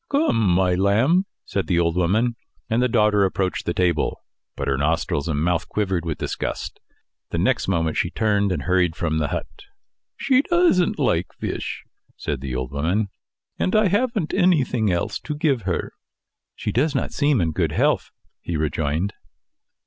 "Come, my lamb," said the old woman; and the daughter approached the table. But her nostrils and mouth quivered with disgust. The next moment she turned and hurried from the hut. "She doesn't like fish," said the old woman, "and I haven't anything else to give her." "She does not seem in good health," he rejoined.